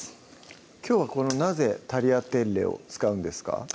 きょうはなぜタリアテッレを使うんですか？